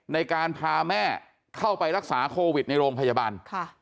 ในการพาแม่เข้าไปรักษาโควิดในโรงพยาบาล